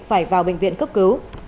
phải vào bệnh viện cấp cứu